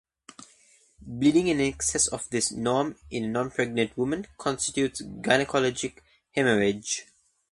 Bleeding in excess of this norm in a nonpregnant woman constitutes gynecologic hemorrhage.